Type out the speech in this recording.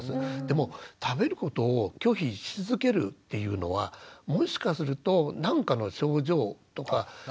でも食べることを拒否し続けるっていうのはもしかすると何かの症状とか疾患が潜んでることがあるんです。